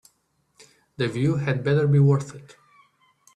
The view had better be worth it.